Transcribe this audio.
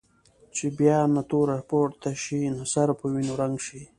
چې بیا نه توره پورته شي نه سر په وینو رنګ شي.